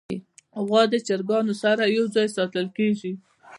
غوا د چرګانو سره یو ځای ساتل کېږي.